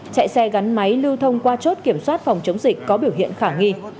chạy xe gắn máy lưu thông qua chốt kiểm soát phòng chống dịch có biểu hiện khả nghi